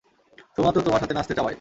শুধুমাত্র তোমার সাথে নাচতে চাওয়ায়।